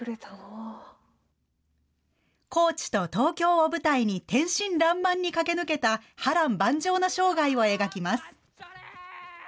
高知と東京を舞台に、天真らんまんに駆け抜けた波乱万丈な生涯を描きます。